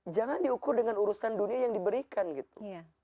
jangan diukur dengan urusan dunia yang diberikan gitu